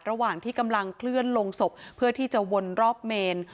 ระหว่างที่กำลังเคลื่อนลงศพเพื่อที่จะวนรอบเมน